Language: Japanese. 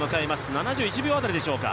７１秒辺りでしょうか。